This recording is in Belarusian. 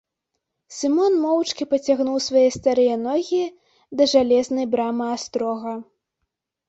Сымон моўчкі пацягнуў свае старыя ногі да жалезнай брамы астрога.